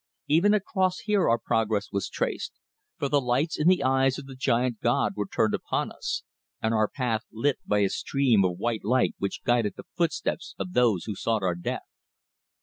Even across here our progress was traced, for the lights in the eyes of the giant god were turned upon us, and our path lit by a stream of white light which guided the footsteps of those who sought our death.